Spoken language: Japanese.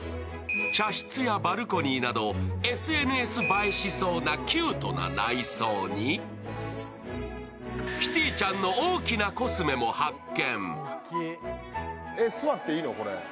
茶室やバルコニーなどＳＮＳ映えしそうなキュートな内装に、キティちゃんの大きなコスメも発見。